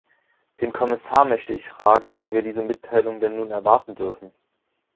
Den Kommissar möchte ich fragen, wann wir diese Mitteilung denn nun erwarten dürfen.